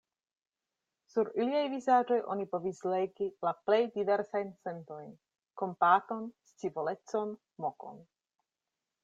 Sur iliaj vizaĝoj oni povis legi la plej diversajn sentojn: kompaton, scivolecon, mokon.